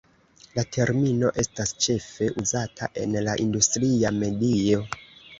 La termino estas ĉefe uzata en la industria medio.